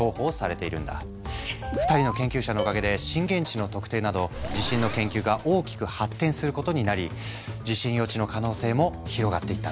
２人の研究者のおかげで震源地の特定など地震の研究が大きく発展することになり地震予知の可能性も広がっていったんだ。